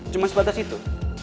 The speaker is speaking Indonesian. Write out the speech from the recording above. cuma sebatas itu